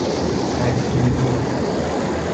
تکریری